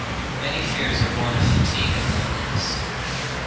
Many fears are born of fatigue and loneliness.